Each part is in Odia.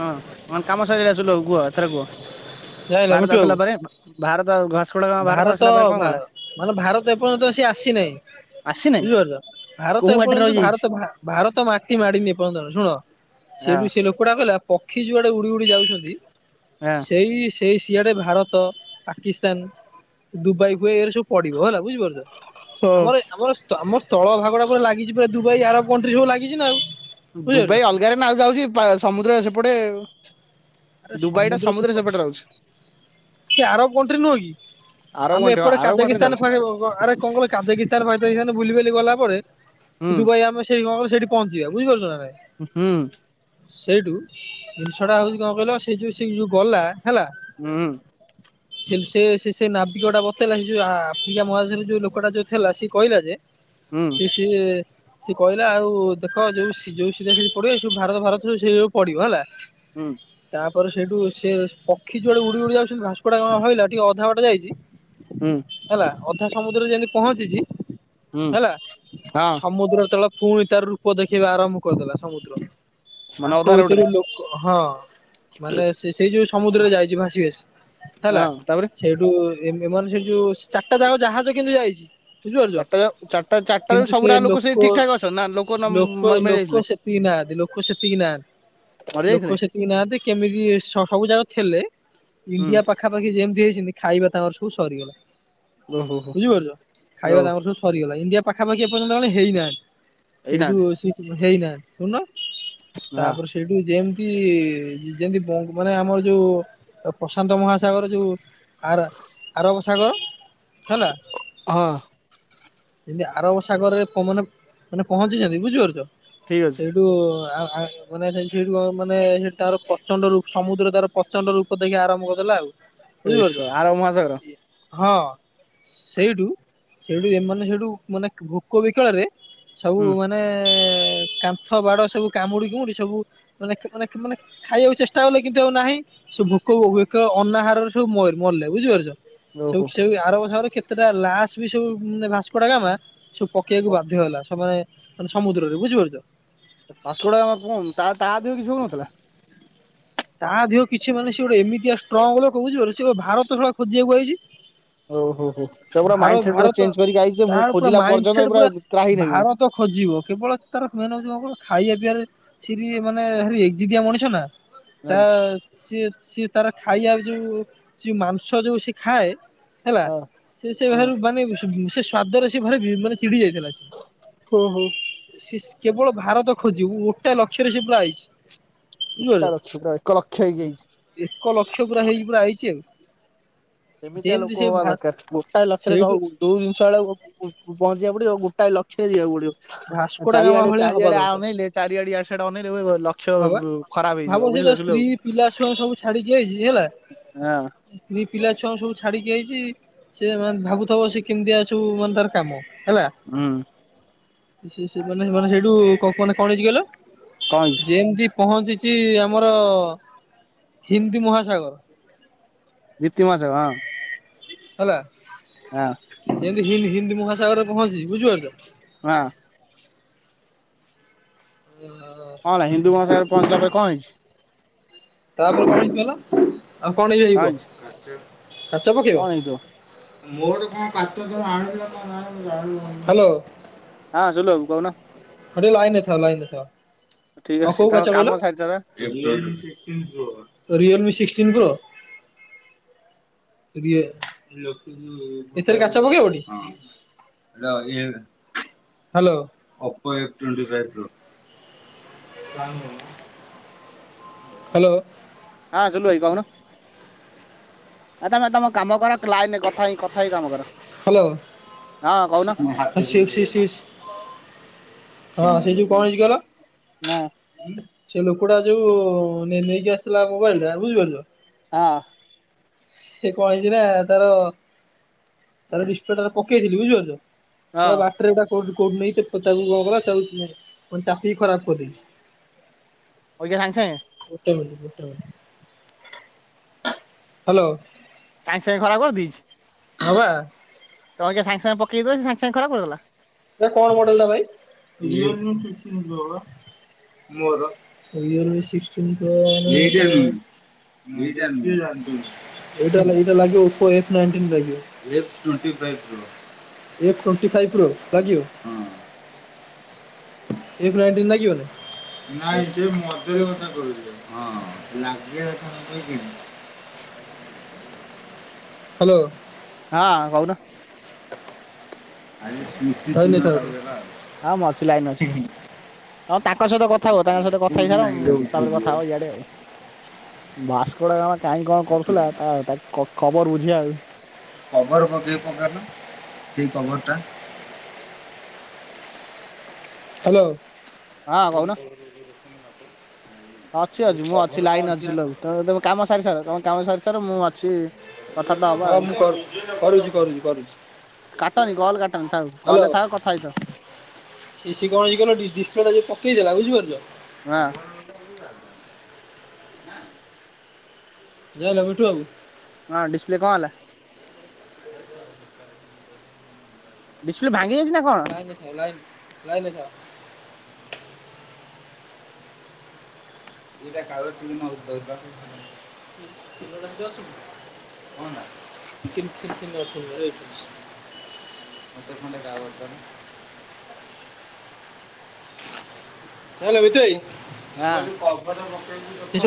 ହଁ ମ କାମ ସରିଗଲା ଶୁଲୁ ବାବୁ କୁହ ଏଥର କୁହ। ଯାଇଁଲ ମିଟୁ ଭାରତ ବାବୁ ଆସିଲା ପରେ ଭାରତ ଘସ ଭାରତ ଭା ମାନେ ଭାରତ ଏପର୍ଯ୍ୟନ୍ତ ସେ ଆସିନାହିଁ। ଆସିନାହିଁ ବୁଝିପାରୁଛ କୋଉ ଭାରତ ବାଟରେ ଏପର୍ଯ୍ୟନ୍ତ ରହିଯାଇଛି ଭାରତ ଭା ଭାରତ ମାଟି ମାଡିନି ଏପର୍ଯ୍ୟନ୍ତ ଶୁଣ। ହଁ। କୁଡା କହିଲା ପକ୍ଷୀ ଯୁଆଡେ ଉଡି ଉଡି ଯାଉଛନ୍ତି ହଁ ସେଇ ତେଇ ସିଆରେ ଭାରତ ପାକିସ୍ତାନ ଦୁବାଇ ଫୁବାଇ ଏରା ସବୁ ପଡିବ ହେଲା ବୁଝିପାରୁଛ। ହଁ ଆମର ଆମର ସେ ତ ଆମର ସ୍ଥଳ ଭାଗ ଟା ପୁରା ଲାଗିଛି ପୁରା ଦୁବାଇ ଆରବ କଣ୍ଟ୍ରି ସବୁ ଲାଗିଛି ନା ଆଉ। ବୁଝିପାରୁଛ। ଦୁବାଇ ଅଲଗାରେ ନା ଯାଉଛି ସମୁଦ୍ର ସେପଟେ। ଆରେ ଦୁବାଇ ଟା ସମୁଦ୍ର ସେପ ସେପଟେ ରହୁଛି ସେ ଆରବ କଣ୍ଟ୍ରି ନୁହଁ କି। ଆରବ ଆମେ କଣ୍ଟ୍ରି ହଁ ଏପଟେ ଆରବ କଣ୍ଟ୍ରି କାଜଗିସ୍ତାନ ଯାଉଛି ଫେଣି ଆରେ କଣ କହିଲ କାଜଗିସ୍ ତାର ଭାଇ ଫାଇ ସେମାନେ ବୁଲିିବାଲି ଗଲା ପରେ ହୁଁ ସେ ଦୁବାଇ ଆମେ ସେଇ କଣ କହିଲୁ ସେଠି ପହଞ୍ଚଯିବା ବୁଝିପାରୁଛ ନା ନାଇ। ହୁଁ। ସେଇଠୁ ଜିନିଷ ଟା ହଉଛି କଣ କହିଲ ସେଇ ଯୋଉ ସେ ଯୋଉ ଗଲା ହେଲା। ହୁଁ। ହ ସେ ସେ ସେ ନାବିକଟା ବତେଇଲା ସେ ଯୋଉ ଆଫ୍ରିକା ମହାଦେଶରେ ଯୋଉ ଲୋକଟା ଯୋଉ ଥିଲା ସିଏ କହିଲା ଯେ ହୁଁ ସିଏ ସିଏ ସିଏ କହିଲା ଆଉ ଦେଖ ଯୋଉ ସି ଯୋଉ ସିଧା ସିି ପଢିବ ସବୁ ଭାରତ ଭାରତ ସବୁ ସେ ସବୁ ପଡିବ ହେଲା। ହୁଁ। ତାପରେ ସେଇଠୁ ସେ ପକ୍ଷୀ ଯୁଆଡେ ଉଡି ଉଡି ଯାଉଛନ୍ତି ଭସ୍କୋଡଗାମା ହଇଲା ଟିକେ ଅଧା ବାଟ ଯାଇଛି ହୁଁ। ହେଲା ଅଧା ସମୁଦ୍ରରେ ଯେମିତି ପହଞ୍ଚିଛି ହୁଁ ହେଲା ହଁ ସମୁଦ୍ର ତଳ ପୁଣି ତାର ରୂପ ଦେଖେଇବା ଆରମ୍ଭ କରିଦେଲା ସମୁଦ୍ର। ମାନେ ଅଧା ତାଙ୍କ ରୋଡରେ ଭିତରୁ ଲୋକ ହଁ ମାନେ ସେ ସେଇ ଯୋଉ ସମୁଦ୍ରରେ ଯାଇଛି ଭାସି ଭାସି ହେଲା ହଁ ତାପରେ ସେଇ ଟୁ ଏ ଏମାନେ ସେ ଯୋଉ ଚାରିଟା ଯାକ ଜାହାଜ କିନ୍ତୁ ଯାଇଛି ଚାରିଟା ଚାରିଟା ବୁଝିପାରୁଛ ଚାରିଟାରୁ କିନ୍ତୁ ସେ ସବୁରା ସେଇ ଲୋକ ଠିକ ଠାକ ଅଛନ୍ତି ନା ଲୋକ ଲୋକ ମରି ଯାଇଥିଲେ ଲୋକ ସେତିକି ନାହାନ୍ତି ଲୋକ ସେତିକି ନାହାନ୍ତି। ଘରୁ ଯାଇଥିଲେ। ମୁଁ ନାହାନ୍ତି କେମିତି ସବୁ ଜାଗ ଥିଲେ ହୁଁ ଇଣ୍ଡିଆ ପାଖା ପାଖି ଯେମିତି ହେଇଛନ୍ତି ଖାଇବା ତମର ସବୁ ସରିଗଲା ଓହୋ ହୋ ବୁଝିପାରୁଛ ଓ ଖାଇବା ତମର ସବୁ। ସରିଗଲା ଇଣ୍ଡିଆ ପାଖାପାଖି ଏପର୍ଯ୍ୟନ୍ତ ଏଣେ ହେଇ ନାହାନ୍ତି ଏଇ ସେଇଠୁ ନାହାନ୍ତି ସେଇଠୁ ହେଇ ନାହାନ୍ତି ଶୁଣନ। ହଁ ତାପରେ ସେଇଠୁ ଯେମତି। ଇଏ ଯେ ଯେମତି ବଙ୍ଗ ମାନେ ଆମର ଯୋଉ ପ୍ରଶାନ୍ତ ମହାସାଗର ଯୋଉ। ଆର ଆରବ ସାଗର ହେଲା। ହଁ ଯେମତି ଆରବ ସାଗରରେ ପମନମ୍ ମାନେ ମାନେ ପହଞ୍ଚିଛନ୍ତି ବୁଝିପାରୁଛ। ଠିକ୍ ଅଛି। ଯୋଉ ଆ ଆ ମାନେ ସେ ସେଠୁ କଁ ମାନେ ସେ ତାର ପ୍ରଚଣ୍ଡ ରୂପ ସମୁଦ୍ର ତାର ପ୍ରଚଣ୍ଡ ରୂପ ଦେଖେଇବା ଆରମ୍ଭ କରିଦେଲା ଆଉ। ଏଇସ ବୁଝିପାରୁଛ ଆର ମହାସାଗର ହଁ ସେଇଠୁ। ସେଇଠୁ ଏ ମାନେ ସେଇଠୁ ମାନେ ଭୋକ ବିକଳରେ ସବୁ ମାନେ। ମାନେ କାନ୍ଥ ବାଡ ସବୁ କାମୁଡି କୁମୁଡି ସବୁ ମାନେ ମାନେ ମାନେ ଖାଇବାକୁ ଚେଷ୍ଟା କଲେ କିନ୍ତୁ ଆଉ ନାହିଁ ସବୁ ଭୋକ ବିକଳ ଅନ୍ନାହାରରେ ସବୁ ମ ମଲେ ବୁଝିପାରୁଛ। ସେଉ ଓହୋ। ସେଉ ଆରବ ଶାଗର ରେ କେତେଟା ଲାସ୍ ବି ସବୁ ଭାସ୍କୋଡାଗାମା। ସବୁ ପକେଇବାକୁ ବାଧ୍ୟ ହେଲା ସବୁ ମାନେ ମାନେ ସମୁଦ୍ରରେ ବୁଝିପାରୁଛ। ଭାସ୍କୋଡା ଗାମା କଁ ତା ତା ଦେହ କିଛି ହଉନଥିଲା। ତା ଦେହ କିଛି ମାନେ ସେ ଗୋ ଟେ ଏମିତିଆ ଷ୍ଟ୍ରଙ୍ଗ ଲୋକ ବୁଝି ପାରୁଛ ସିଏ ବା ଭାରତ ଶଳା ଖୋଜିବାକୁ ଆଇଛି। ଓହୋ ହୋ ହୋ ସେ ପୁରା ଭାର ମାଇଣ୍ଡ ସେଟ ପୁରା ଭାରତ ଚେଞ୍ଜ କରିକି ଆଇଛି ଯେ ମୁଁ ତାର ପୁରା ଖୋଜିଲା ମାଇଣ୍ଡ ପର୍ଯ୍ୟନ୍ତ ସେଟ ପୁରା ତ୍ରାହି ନେବି ନାହିଁ। ଭାରତ। ଖୋଜିବ କେବଳ ତାର ମେନ ହଉଛି କଁ କହିଲ ଖାଇବା ପିଇବା ରେ ସିଏ ଟିକେ ମାନେ ଭାରି ଏକ ଜିଦିଆ ମଣିଷ ନା। ହଁ ତା ସିଏ ସିଏ ତାର ଖାଇବା ଯୋଉ ସିଏ ମାଂସ ଯୋଉ ସିଏ ଖାଏ। ହେଲା ହଁ ସିଏ ସିଏ ଭାରି ମାନେ ସେ ସ୍ଵାଦରେ ସେ ଭାରି ମାନେ ଚିଡି ଯାଇଥିଲା ସିଏ। ହୁଁ ହୁଁ। ସିଏ ସ୍ କେବଳ ଭାରତ ଖୋଜିବୁ ଗୋଟା ଲକ୍ଷ୍ୟରେ ସିଏ ପୁରା ଆଇଛି। ଗୋଟା ଲକ୍ଷ ପୁରା ଏକ ଲକ୍ଷ ହେଇକି ବୁଝିପାରୁଛ ଗୋ ଆଇଛି। ଏକ ଲକ୍ଷ ପୁରା ହେଇକି ପୁରା ଆଇଛି ଆଉ। ସେମିତିଆ ଯେମିତି ସେ ଲୋକ ହବା ଭା ଦରକାର ଗୋଟାଏ ଲକ୍ଷରେ ସେଇଠୁ ରହୁ। ଯୋଉ ଜିନିଷ ଟାକୁ ପ ପହଞ୍ଚିବାକୁ ପଡିବ ଆଉ ଗୋଟାଏ ଲକ୍ଷ୍ୟରେ ଯିବାକୁ ପଡିବ। ଭାସ୍କୋଡା ଗାମା ଚାରିଆଡେ ଭଳିଆ ହବା ଚାରିଆଡେ ଆଉ ଅନେଇଲେ ଚାରିଆଡେ ଇଆଡେ ସିଆଡେ ଅନେଇଲେ ପୁରା ଗଲ। ହଁ ବା ଭାବନ୍ତୁ ସେ ତା ସ୍ତ୍ରୀ ପିଲା ଛୁଆ ସବୁ ଛାଡିକି ଆଇଛି ହେଲା। ହଁ ସ୍ତ୍ରୀ ପିଲା ଛୁଆଙ୍କୁ ସବୁ ଛାଡିକି ଆଇଛି ସିଏ ମାନେ ଭାବୁଥିବ ସେ କେମିତି ଆସ। ତୁ ମାନେ ନତାର କାମ ହେଲା। ହୁଁ। ସିଏ ସିଏ ସେମାନେ ସେମାନେ ସେଇଠୁ କ କୁଅନା କଣ ହେଇଛିି କହିଲ। କଣ ହେଇଛି ଯେମତି ପହଞ୍ଚିଛି ଆମର ହିନ୍ଦୀ ମହାସାଗର। ଦିପ୍ତି ମାସ ହଁ। ହେଲା। ହଁ। ଯେମତି ହିନ୍ଦ ହିନ୍ଦୀ ମହାସାଗର ରେ ପହଞ୍ଚିଚି ବୁଝିପାରଛ। ହଁ। [unintelligible] କଁ ହେଲା ହିନ୍ଦୁ ମହାସାଗର ରେ ପହଞ୍ଚିଲା ପରେ କଣ ହେଇଛି। ତାପରେ କଣ ହେଇଛି କଣ ହେଇଛି କହିଲ। କଣ ହେଇଥିବ? ହା ଲୋ। ହଁ ସୁୁଲୁ ବାବୁ କହୁନା। ହଁ ଟିକେ ଲାଇନ୍ ରେ ଥାଅ ଲାଇନ୍ ରେ ଥାଅ। ଠିକ ହଁ ଅଛି ତମ କୋଉକାଚ କାମ କହିଲ? ସାରିସାର ରିଏଲ୍ ମି ସିକ୍ସଟିନ୍ ପ୍ରୋ। ରିଏ, ଏଥିରେ କାଚ ପକେଇବ ଟି? ହାଲୋ। [unintelligible] ହାଲୋ। ହଁ ସୁଲୁ ଭାଇ କହୁନ। ଆ ତମେ ତମ କାମ କର ଲାଇନ୍ ରେ କଥା ହେଇ କଥା ହେଇ କାମ କର। ହଁ କହୁନ। ସିକ୍ସି ସିସ୍, ହଁ ସେଇ ଯୋଉ କଣ ହେଇଚି କହିଲ? ନା। ସେ ଲୋକଟା ଯୋଉ ନେଇକି ଆସିଥିଲା ମୋବାଇଲ ଟା ବୁଝିପାରିଲୁ ହଁ। ସେ କଣ ହେଇଚି ନା ତାର ତାର ଡିସପ୍ଲେ ଟା ପକେଇଥିଲି ବୁଝିପାରୁଚ। ହଁ ଶଳା ବାଟରେ ଏଟା କୋଉଠି କୋଉଠି ନେଇ ତାକୁ କଣ କଲା ତାକୁ ପୁଣି ଚାପି କି ଖରାପ କରିଦେଇଚି। ଅବିକା ସାଙ୍ଗେ ସାଙ୍ଗେ? ଗୋଟେ ମିନିଟ୍ ଗୋଟେ ମିନିଟ୍। ହାଲୋ। ସାଙ୍ଗେ ସାଙ୍ଗେ ଖରାପ କରିଦେଇଚି। ହଁ ବା। ତମେ କିଆଁ ସାଙ୍ଗେ ସାଙ୍ଗେ ପକେଇକି ଦଉ ସାଙ୍ଗେ ସାଙ୍ଗେ ଖରାପ କରିଦେଲା। ଏଟା କଣ ମଡେଲ ଟା ଭାଇ? [unintelligible] [unintelligible] ଏଇଟା ଲାଗି ଏଇଟା ଲାଗିବ ଓପୋ ଏଫ୍ ନାଇନ୍‌ଟିନ୍ ଲାଗିବ। ଏଫ୍ ଟ୍ବେଣ୍ଟି ଫାଇଫ୍ ପ୍ରୋ ଲାଗିବ। ଏଫ୍ ନାଇଣ୍ଟିନ୍ ଲାଗିବନି? [unintelligible] ହାଲୋ। ହଁ କହୁନ। [unintelligible] ହଁ ମୁଁ ଅଛି ଲାଇନ୍ ରେ ଅଛି। ହଁ ତାଙ୍କ ସହିତ କଥା ହୁଅ ତାଙ୍କ ସହିତ କଥା ହେଇସାର ତାପରେ କଥା ହବ ଇଆଡେ ଆଉ। ଭାସ୍କୋଡ଼ାଗାମା କାହିଁ କଣ କରୁଥିଲା, ତା ତା ଖ ଖବର ବୁଝିବା ଆଉ। କଭର ପକେଇ ପକା ନା ସେଇ କଭର ଟା। ହାଲୋ। ହଁ କହୁନ। ହୁଁ ଅଛି ଅଛି ମୁଁ ଅଛି ଲାଇନ୍ ଅଛି ଶିଲୁ ବାବୁ। ତମେ କାମ ସାରି ସାର ତମେ କାମ ସାରି ସାର ମୁଁ ଅଛି କଥାବାର୍ତ୍ତା ହବା ହଁ ଆଉ ମୁଁ କର କରୁଚି କରୁଚି କରୁଚି। କାଟନି କଲ୍ କାଟନି ଥାଉ। କଲ୍ ଥାଓ କଥା ହେଇ ଥାଅ। ସେ ସି କଣ ହେଇଚି କହିଲ ଡିସପ୍ଲେ ଟା ଯଉ ପକେଇ ଦେଲା ବୁଝିପାରୁଚ ହଁ। ଯାଇଁଲ ମିଠୁ ବାବୁ। ହଁ ଡିସପ୍ଲେ କଣ ହେଲା? ଡିସପ୍ଲେ ଭାଙ୍ଗି ଯାଇଛି ନା କଣ? ଲାଇନ୍ ରେ ଥାଅ, ଲାଇନ୍ ଲାଇନ୍ ରେ ଥାଅ। ଏଇଟା କାଗ [unintelligible] [unintelligible] [unintelligible] ମୁଁ କହିଲି ବିଟୁ ହଁ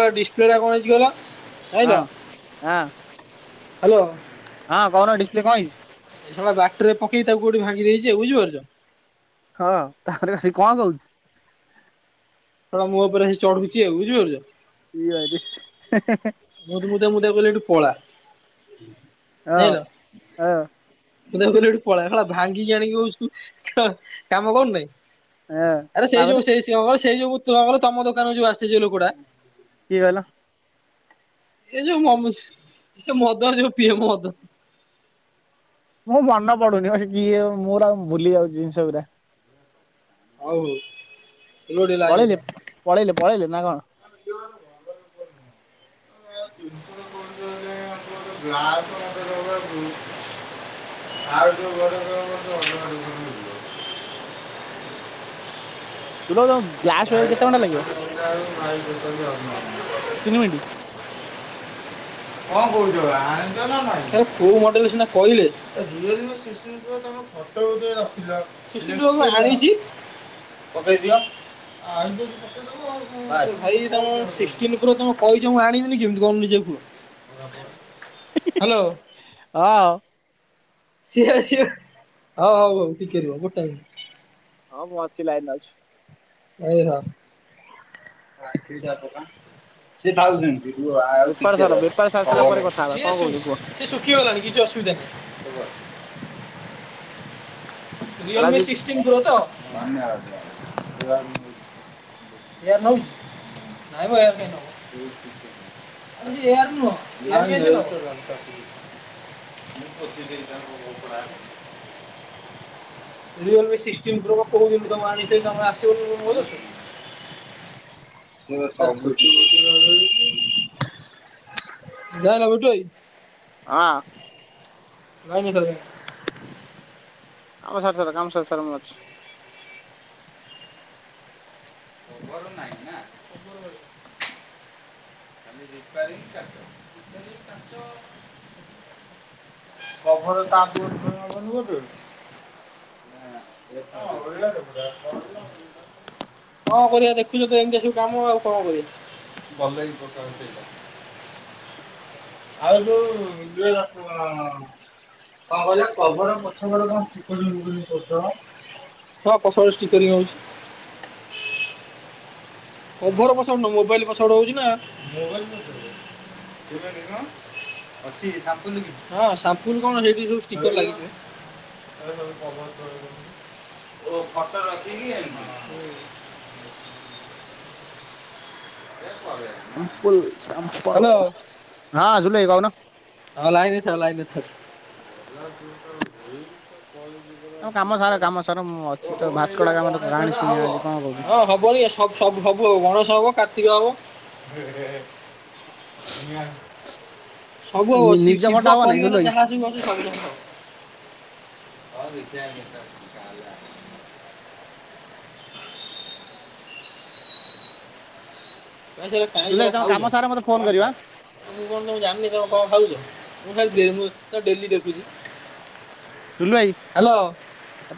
ଭାଇ [unintelligible] ଡିସପ୍ଲେ ଟା କଣ ହେଇଛି କହିଲ। ପାଇଲ? ହଁ ହଁ ହାଲୋ। ହଁ କହୁନ ଡିସପ୍ଲେ କଣ ହେଇଛି? ଏଇା ଶଳା ବାଟରେ ପକେଇ ତାକୁ କୋଉଠି ଭାଙ୍ଗି ଦେଇଚି। ବୁଝିପାରୁଚ? ହଁ ତାପରେ ଆସି କଣ କହୁଛି? ଶଳା ମୋ ଉପରେ ଆସି ଚଢୁଚି ଆଉ। ବୁଝିପାରୁଚ? ପିଅ ଆଜି। ମୁଁ ତ ମୁଁ ତା ମୁଁ ତାକୁ କହିଲି ଏଠୁ ପଳା। ଏଅ, ଜାଣିଲ ଏ ମୁଁ ତାକୁ କହିଲି ଏଠୁ ପଳା, ଭାଙ୍ଗିକି ଆଣିକି କହୁଛୁ ତ କାମ କରୁନାଇ। ହଁ ଆରେ ସେଇ ତାପରେ ଯୋଉ ସେଇ ସିଂହକ ସେଇ ଯୋଉ ମୁଁ ତୁଅ କର ତୋମ ଦୋକାନକୁ ଯୋଉ ଆସେ ଯେ ଲୋକ ଟା। କିଏ କହିଲ? ସେଇ ଯୋଉ ମୋମୁସ୍ ସେ ମଦ ଯୋଉ ପିଏ ମଦ। ମୁଁ ମନ ପଡୁନି ବା ସିଏ କିଏ ମୋର ଆଉ ଭୁଲି ଯାଉଚି ସେଉରା। ଆହୁ ପଳେଇଲେ ପଳେଇଲେ ପଳେଇଲେ ନା କଣ? [inaudible] [inaudible] ଆଉ ଯୋଉ [inaudible] ଶୁଭା ଯାଉଚି? [inaudible] କଣ ଦି ତିନି ମିନିଟ୍ କହୁଚ ଆଣିଚ ନା ନାହି? ହେ କୋଉ ମଡେଲ୍ ସିନା କଇଲେ। [unintelligible] ସିଏ ଯୋଉଠୁ ଆଣିଚି। ଆଣିଚି ତ ଭାଇ ତୋମେ ମୁଁ ସିକ୍ସଟିନ୍ ପ୍ରୋ ତୋମ କହିଛ ମୁଁ ଆଣିବିନି କେମିତି କହୁନ ନିଜେ କୁହ। ହାଲୋ। ହଁ। ସିଏ ସିଏ ହଉ ହଉ ହଉ ଟିକେ ରୁହ ଗୁଟେ ମିନିଟ୍। ହଁ ମୁଁ ଅଛି ଲାଇନ୍ ରେ ଅଛି। ସିଏ ଥାଉ ସେମ ସିଏ ଶୁ-ସିଏ ବେପାର ସାର ବେପାର ସାରି ଶୁଖିଗଲାଣି ସାରିଲା ପରେ କଥା ହବା କଣ କିଛି କହୁଛ କୁହ ଅସୁବିଧା ନାହିଁ। Realme Raju sixteen pro ତ? ଏହା ନଉଚି? [unintelligible] ଏହା ନୁହଁ [inaudible] [inaudible] ଏଇ ଯୋଉ ଏ ସିକ୍ସଟିନ୍ ପ୍ରୋ କଣ କହୁଚନ୍ତି ତୋମେ ଆଣିଚ କି ତୋମେ ଆସିବ [inaudible] ଜାଣିଲ ବିଟୁ ଭାଇ ଅଁ, ନାଇଁ ହେଇ [unintelligible] କାମ ସାର୍ ସାର୍ କାମ ସର୍ ସାର୍ ମୁଁ ଅଛି। କଭର ନାଇଁ ନା। ଖାଲି ରିପୋରିଂ କାଚ କଭର ତା ଫୋନ [unintelligible] [unintelligible] କଣ କରିବା ଦେଖୁଛ ତ ଏମତିଆ ସବୁ କାମ ଆଉ କଣ କରିବା ଭଲ କି ପକା ସେଇଟା। ଆଉ ଯୋଉ ଇଏ [unintelligible] କଣ କହିଲ କଭର ପଛପଟ କଣ ଖୋଲୁନି ବୋଲି କହୁଚ। ହଁ ପଛ ପଟେ ଷ୍ଟିକରିଂ ହଉଚି। କଭର୍ ପଛପଟେ ନୁଅ ମୋବାଇଲ ପଛପଟେ ହଉଛି ନାଁ। ଅଛି ସମ୍ପୂଲ୍ କିଛି ହଁ ସମ୍ପୁଲ କଣ ଷ୍ଟିକର ଲାଗିଛି। କଭର କଟ ରଖିକି ଓ ଫଟୋ ରଖିକି ଏ ସଇଲାନି। ସିମ୍ପୁଲ ଶାମ୍ପଲ ହଁ ଜୁଲୁ ଭାଇ କହୁନ? ହଁ ଲାଇନଥା ଲାଇନଥା। ତମ କାମ ସାର କାମ ସାର ମୁଁ ଓ ଅଛି ତ ହ ଏ ଭାସ୍କଡା ଜୋଉ କାମର ଗଣେଶ କାହାଣୀ ଟା ଶୁଣିବା ହବ। ଆଜି କଣ କହୁଛ? ସବୁ ସବୁ ହବ ଗଣସ ହବ କାର୍ତ୍ତିକ ହବ। ସବୁ ହବ ନି ନିଜ ଫଟା ଶିବ ହବ ନାଇଁ ପରିବାର ସୁଲୁଭାଇ ଯାହା ସ [inaudible] କାଇଁ ସେରା ସୁଲୁଭାଇ ତମ କାମ ଖାଉଛ ସାର ମତେ ଫୋନ କଣ କରିବ ଟା? ଆଁ ମୁଁ କଣ ତମ ଜାଣିନି ତମ କଣ ଖାଉଛ ମୁଁ ଖାଲି ମୁଁ ତ ଡେଲି ଦେଖୁଛି। ସୁଲୁ ଭାଇ ହ୍ୟାଲୋ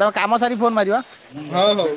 ତମେ କାମ ସାରିକି ଫୋନ ମାରିବ। ହଁ ହଉ।